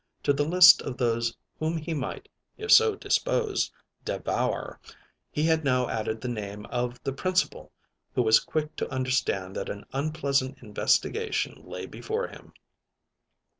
To the list of those whom he might, if so disposed, devour, he had now added the name of the Principal, who was quick to understand that an unpleasant investigation lay before him.